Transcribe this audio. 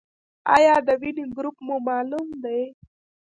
ایا د وینې ګروپ مو معلوم دی؟